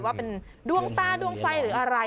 ว่าเป็นดวงตาดวงไฟหรืออะไร